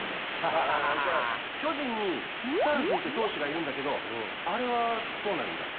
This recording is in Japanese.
じゃあ巨人にスタルヒンって投手がいるんだけどあれはどうなるんだ？